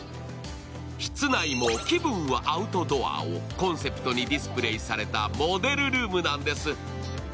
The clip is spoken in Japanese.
室内も気分はアウトドアをコンセプトにディスプレーされたモデルルームなんです。